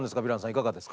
いかがですか？